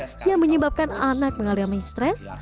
dan teman yang menyebabkan anak mengalami stres